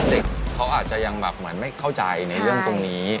เด็กเขาอาจจะยังแบบเหมือนไม่เข้าใจในเรื่องตรงนี้